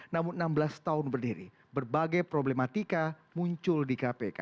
namun enam belas tahun berdiri berbagai problematika muncul di kpk